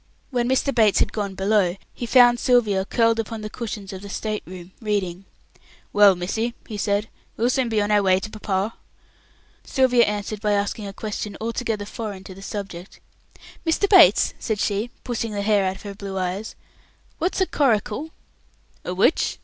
When Mr. Bates had gone below, he found Sylvia curled upon the cushions of the state room, reading. "Well, missy!" he said, "we'll soon be on our way to papa." Sylvia answered by asking a question altogether foreign to the subject. "Mr. Bates," said she, pushing the hair out of her blue eyes, "what's a coracle?" "A which?"